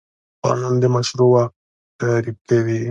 قانون د مشروع واک تعریف کوي.